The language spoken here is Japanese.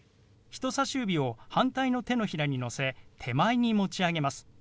人さし指を反対の手のひらにのせ手前に持ち上げます。